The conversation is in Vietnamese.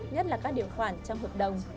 nhất là các điều khoản trong hợp đồng